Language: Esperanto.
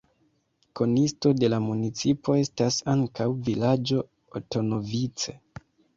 Konisto de la municipo estas ankaŭ vilaĝo Otonovice.